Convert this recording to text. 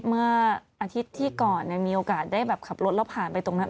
เมื่ออาทิตย์ที่ก่อนมีโอกาสได้แบบขับรถแล้วผ่านไปตรงนั้น